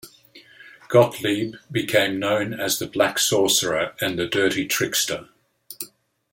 Gottlieb became known as the "Black Sorcerer" and the "Dirty Trickster.